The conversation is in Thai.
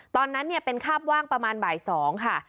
ตอนนั้นเป็นคาบว่างประมาณบ่าย๒ค่ะ